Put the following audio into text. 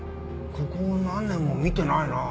ここ何年も見てないなぁ